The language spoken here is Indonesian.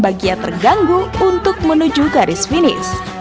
bagiak terganggu untuk menuju garis finish